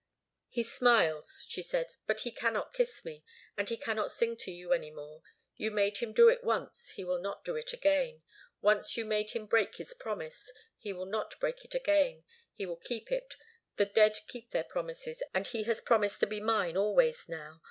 "He smiles," she said. "But he cannot kiss me. And he cannot sing to you any more. You made him do it once. He will not do it again. Once you made him break his promise. He will not break it again. He will keep it. The dead keep their promises, and he has promised to be mine always now.